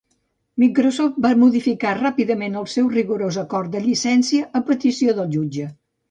Microsoft va modificar ràpidament el seu rigorós acord de llicència a petició del jutge.